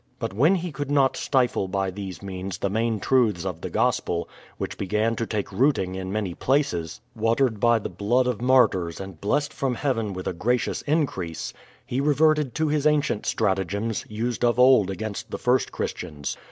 But when he could not stifle by these means the main truths of the gospel, which began to take rooting in many places, watered by the blood of martyrs and blessed from heaven with a gracious increase, he reverted to his ancient stratagems, used of old against the first Christians.